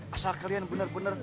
asal kalian benar benar